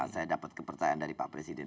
saya dapat kepercayaan dari pak presiden